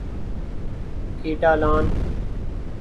Catalan